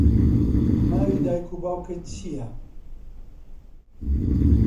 ناوی دایک و باوکت چییە؟